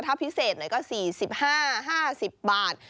ถ้าพิเศษหน่อยก็๔๕๕๐บาท